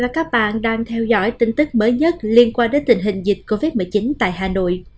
và các bạn đang theo dõi tin tức mới nhất liên quan đến tình hình dịch covid một mươi chín tại hà nội